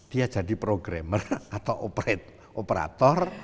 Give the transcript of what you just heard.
dia jadi programmer atau operator